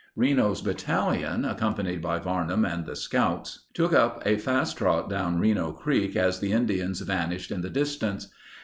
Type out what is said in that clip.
Reno's battalion, accompanied by Varnum and the scouts, took up a fast trot down Reno Creek as the Indians vanished in the distance.